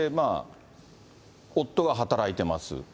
夫が働いてます。